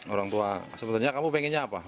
orang tua sebetulnya kamu pengennya apa